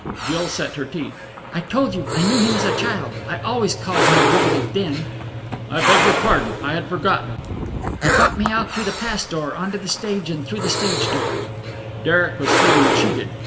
Jill set her teeth. "I told you I knew him as a child. I always called him Wally then." "I beg your pardon. I had forgotten." "He got me out through the pass door on to the stage and through the stage door." Derek was feeling cheated.